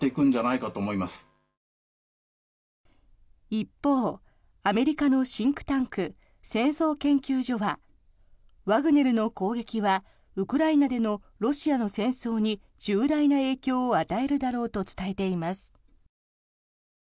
一方、アメリカのシンクタンク戦争研究所はワグネルの攻撃はウクライナでのロシアの戦争に重大な影響を与えるだろうと伝えています。